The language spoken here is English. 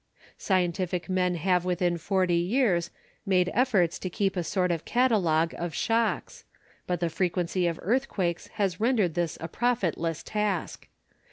Scientific men have within forty years made efforts to keep a sort of catalogue of shocks; but the frequency of earthquakes has rendered this a profitless task.